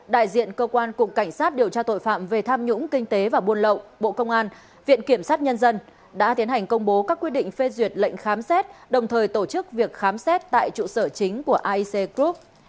đại diện cơ quan cục cảnh sát điều tra tội phạm về tham nhũng kinh tế và buôn lậu bộ công an viện kiểm sát nhân dân đã tiến hành công bố các quyết định phê duyệt lệnh khám xét đồng thời tổ chức việc khám xét tại trụ sở chính của aec group